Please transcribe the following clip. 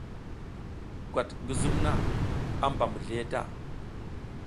Gwat ngi zum na, a mba mizliye ta.